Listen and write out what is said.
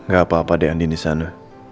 gak apa apa deh andin di sana